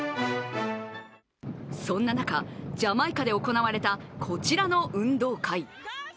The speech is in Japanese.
そんな中、ジャマイカで行われた、こちらの運動会。